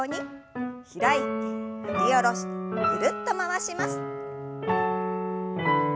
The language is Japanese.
開いて振り下ろしてぐるっと回します。